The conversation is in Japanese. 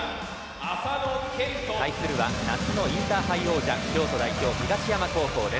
対するは、夏のインターハイ王者京都代表、東山高校です。